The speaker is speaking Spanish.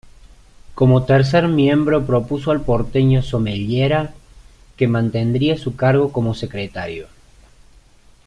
Como tercer miembro propuso al porteño Somellera que mantendría su cargo como secretario.